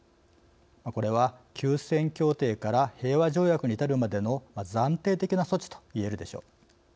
これは休戦協定から平和条約に至るまでの暫定的な措置といえるでしょう。